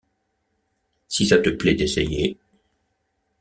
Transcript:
Si ça te plaît d’essayer...